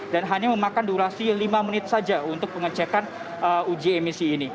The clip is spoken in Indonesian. dan hanya memakan durasi lima menit saja untuk pengecekan uji emisi ini